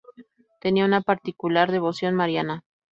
Tenía una particular devoción mariana.